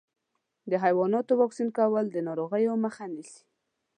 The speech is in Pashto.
د حيواناتو واکسین کول د ناروغیو مخه نیسي.